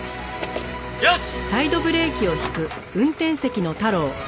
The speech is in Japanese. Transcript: よし！